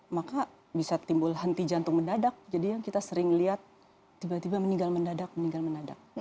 maka bisa timbul henti jantung mendadak jadi yang kita sering lihat tiba tiba meninggal mendadak meninggal mendadak